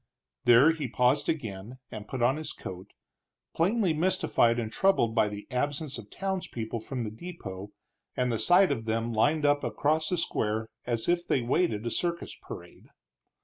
There he paused again, and put on his coat, plainly mystified and troubled by the absence of townspeople from the depot, and the sight of them lined up across the square as if they waited a circus parade.